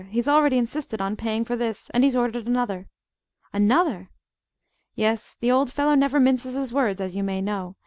He's already insisted on paying for this and he's ordered another." "Another!" "Yes. The old fellow never minces his words, as you may know.